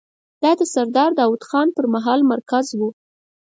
دا د سردار داوود خان پر مهال مرکز و.